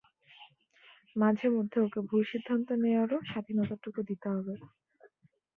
মাঝেমধ্যে ওকে ভুল সিদ্ধান্ত নেয়ারও স্বাধীনতাটুকু দিতে হবে।